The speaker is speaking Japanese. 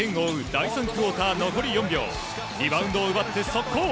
第３クオーター残り４秒リバウンドを奪って速攻！